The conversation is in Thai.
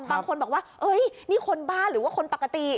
บางคนบอกว่านี่คนบ้าหรือว่าคนปกติ